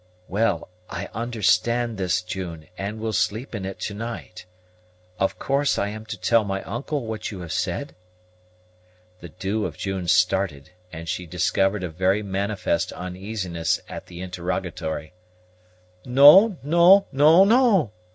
"Well, I understand this, June, and will sleep in it to night. Of course I am to tell my uncle what you have said?" The Dew of June started, and she discovered a very manifest uneasiness at the interrogatory. "No, no, no, no!"